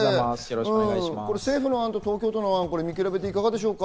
政府の案と東京都の案を見比べていかがですか？